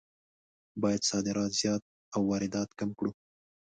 باید صادرات زیات او واردات کم کړو.